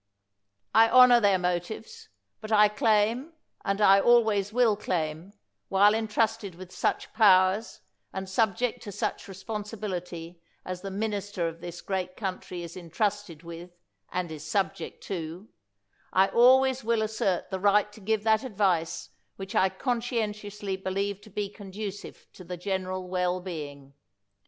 I honor their motives, but I claim, and I al ways will claim, while entrusted with such powers and subject to such responsibility^ as the minister of this great country is entrusted with and is subject to — I always will assert the right to give that advice which I conscientiously be lieve to be conducive to the general well being.